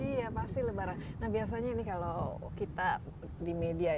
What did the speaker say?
iya pasti lebaran nah biasanya ini kalau kita di media ya